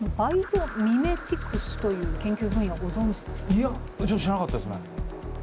いやちょっと知らなかったですね。